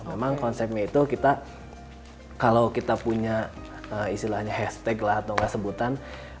memang konsepnya itu kita kalau kita punya istilahnya hashtag lah atau nggak sebutan